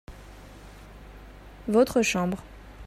votre chambre.